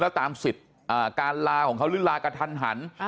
แล้วตามสิทธิ์การลาของเขาหรือลากระทันหัน